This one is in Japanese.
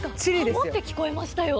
何かハモって聞こえましたよ。